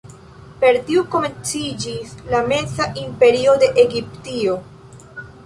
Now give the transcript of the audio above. Per tio komenciĝis la Meza Imperio de Egiptio.